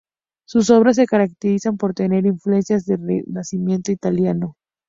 Sus obras se caracterizan por tener influencias de renacimiento italiano.